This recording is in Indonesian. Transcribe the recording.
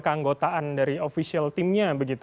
keanggotaan dari tim officialnya